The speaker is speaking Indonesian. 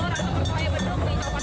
jadi kami bergembira sekali dalam adanya